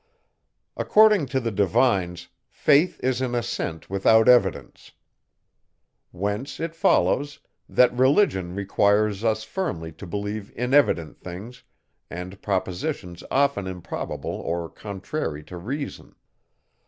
According to the divines, faith is an assent without evidence. Whence it follows, that religion requires us firmly to believe inevident things, and propositions often improbable or contrary to reason.